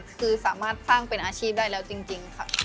คือสามารถสร้างเป็นอาชีพได้แล้วจริงค่ะ